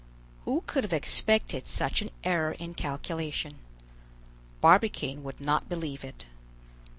Who could have expected such an error in calculation? Barbicane would not believe it.